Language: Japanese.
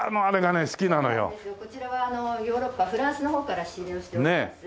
こちらはヨーロッパフランスの方から仕入れをしております